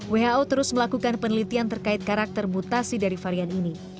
who terus melakukan penelitian terkait karakter mutasi dari varian ini